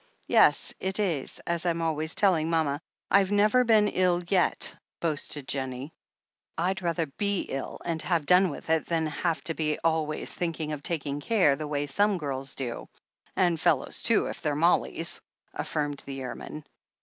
"Yes, it is, as I'm always telling mama. I've never been ill yet," boasted Jennie. "I'd rather be ill and have done with it, than have to be always thinking of taking care, the way some girls do — ^and fellows too, if they're mollies," affirmed the airman.